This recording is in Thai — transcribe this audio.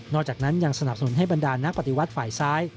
อกจากนั้นยังสนับสนุนให้บรรดานักปฏิวัติฝ่ายซ้าย